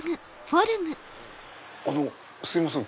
あのすいません